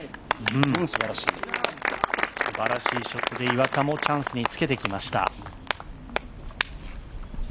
すばらしいショットで岩田もチャンスにつけてきました。